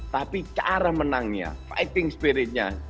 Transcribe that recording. tapi cara menangnya fighting spiritnya